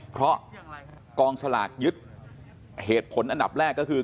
เพราะกองสลากยึดเหตุผลอันดับแรกก็คือ